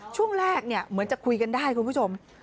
ช่วงแรกเนี่ยเหมือนจะคุยกันได้คุณผู้ชม